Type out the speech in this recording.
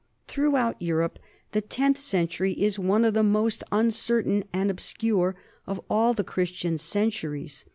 Throughout Europe, the tenth century is one of the most uncertain and obscure of all the Chris tian centuries.